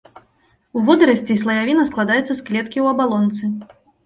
У водарасцей слаявіна складаецца з клеткі ў абалонцы.